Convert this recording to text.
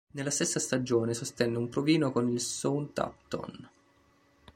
Nella stessa stagione, sostenne un provino con il Southampton.